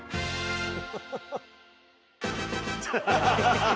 ハハハハ！